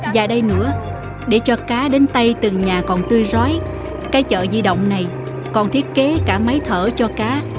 và đây nữa để cho cá đến tay từng nhà còn tươi rói cái chợ di động này còn thiết kế cả máy thở cho cá